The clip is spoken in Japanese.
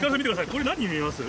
これ何に見えます？